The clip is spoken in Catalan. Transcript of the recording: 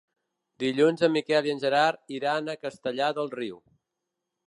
Dilluns en Miquel i en Gerard iran a Castellar del Riu.